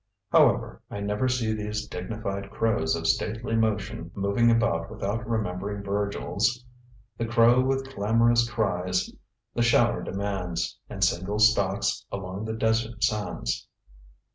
However, I never see these dignified crows of stately motion moving about without remembering Virgil's: "The crow with clamorous cries the shower demands, And single stalks along the desert sands."